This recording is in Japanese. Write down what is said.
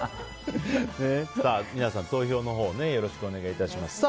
皆さん、投票のほうよろしくお願いします。